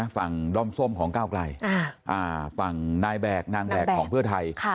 ด้อมส้มของก้าวไกลฝั่งนายแบกนางแบกของเพื่อไทย